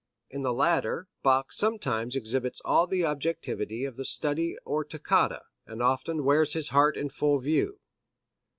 In the latter Bach sometimes exhibits all the objectivity of the study or toccata, and often wears his heart in full view.